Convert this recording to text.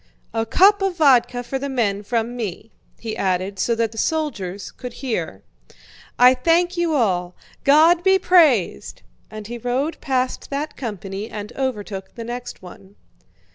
"A cup of vodka for the men from me," he added so that the soldiers could hear. "I thank you all! God be praised!" and he rode past that company and overtook the next one.